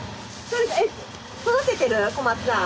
育ててる小松さん？